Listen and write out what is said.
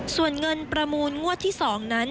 ส่วนเงินประมูลงวดที่๒นั้น